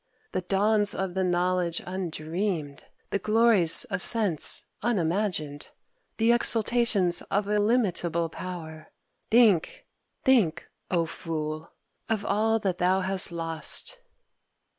the dawns of the knowledge undreamed, the glories of sense unimagined, the exultations of illimitable power!... think, think, O fool, of all that thou hast lost!"